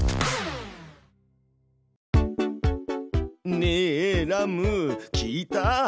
ねぇラム聞いた？